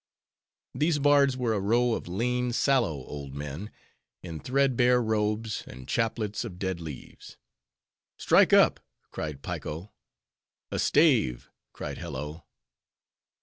These bards were a row of lean, sallow, old men, in thread bare robes, and chaplets of dead leaves. "Strike up!" cried Piko. "A stave!" cried Hello.